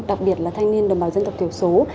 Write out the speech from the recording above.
đặc biệt là thanh niên đồng bào dân tộc thiểu số